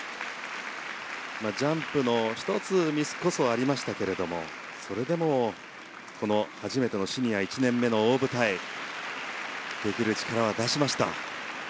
ジャンプで１つミスこそありましたけれどそれでも、この初めてのシニア１年目の大舞台できる力は出しました。